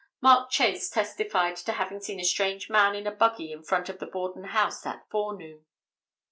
Mark Chace testified to having seen a strange man in a buggy in front of the Borden house that forenoon.